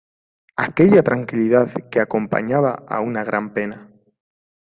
Aquella tranquilidad que acompañaba a una gran pena.